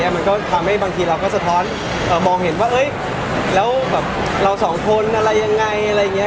มันทำให้บางทีเราก็สะท้อนมองเห็นว่าเราสองคนอะไรยังไง